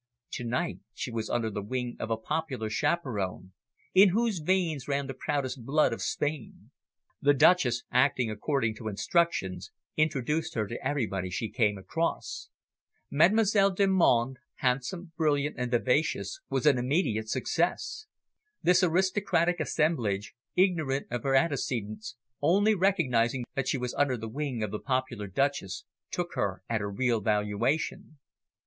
To night she was under the wing of a popular chaperon, in whose veins ran the proudest blood of Spain. The Duchess, acting according to instructions, introduced her to everybody she came across. Mademoiselle Delmonte, handsome, brilliant, and vivacious, was an immediate success. This aristocratic assemblage, ignorant of her antecedents, only recognising that she was under the wing of the popular Duchess, took her at her real valuation.